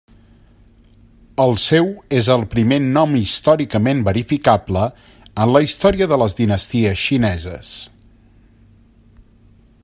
El seu és el primer nom històricament verificable en la història de les dinasties xineses.